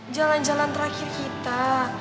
jalan jalan terakhir kita